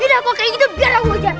ini aku pakai ini biar aku ngejar